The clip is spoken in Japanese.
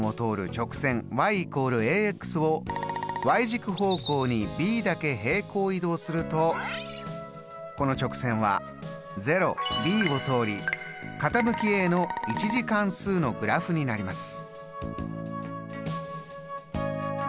軸方向にｂだけ平行移動するとこの直線はを通り傾きの１次関数のグラフになります。